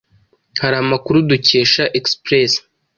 hari Amakuru dukesha Express